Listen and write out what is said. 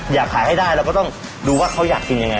อยากขายให้ได้เราก็ต้องดูว่าเขาอยากกินยังไง